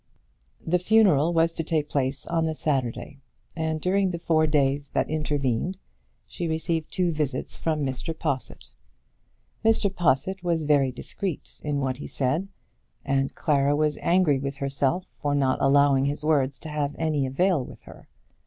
The funeral was to take place on the Saturday, and during the four days that intervened she received two visits from Mr. Possitt. Mr. Possitt was very discreet in what he said, and Clara was angry with herself for not allowing his words to have any avail with her.